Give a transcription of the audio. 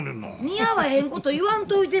似合わへんこと言わんといて。